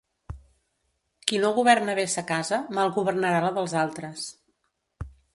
Qui no governa bé sa casa, mal governarà la dels altres.